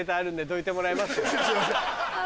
すいません。